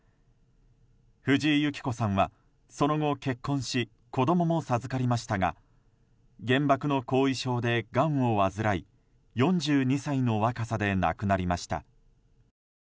藤井幸子さんはその後、結婚し子供も授かりましたが原爆の後遺症で、がんを患い４２歳の若さで亡くなりました。